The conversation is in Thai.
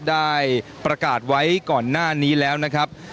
ได้ประกาศไว้ก่อนหน้านี้แล้วนะครับ